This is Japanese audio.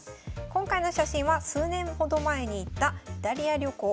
今回の写真は数年ほど前に行ったイタリア旅行。